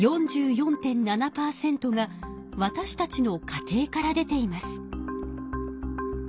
４４．７％がわたしたちの家庭から出ています。